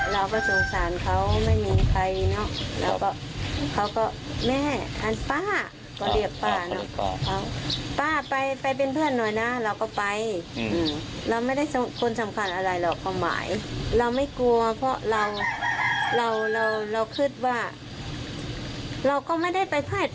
เราไม่ได้ไปพาดพิงใครเนี้ยเราพูดก็เราก็พูดเป็นการว่าเป็นการพิเศษ